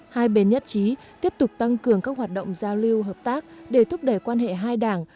hai bên nhất trí tiếp tục tăng cường các hoạt động giao lưu hợp tác để thúc đẩy quan hệ hai đảng